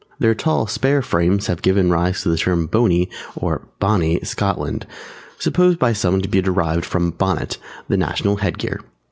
Their tall spare frames have given rise to the term Bony (or Bonny) Scotland, supposed by some to be derived from "Bonnet," the national headgear.